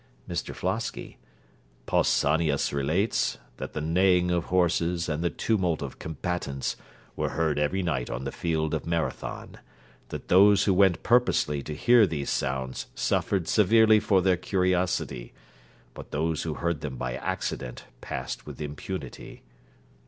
MR FLOSKY Pausanias relates, that the neighing of horses and the tumult of combatants were heard every night on the field of Marathon: that those who went purposely to hear these sounds suffered severely for their curiosity; but those who heard them by accident passed with impunity.